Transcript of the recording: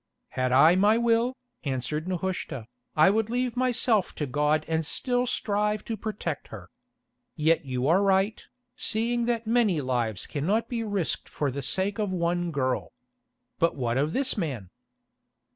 "Had I my will," answered Nehushta, "I would leave myself to God and still strive to protect her. Yet you are right, seeing that many lives cannot be risked for the sake of one girl. But what of this man?"